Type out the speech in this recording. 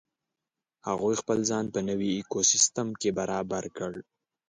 هغوی خپل ځان په نوې ایکوسیستم کې برابر کړ.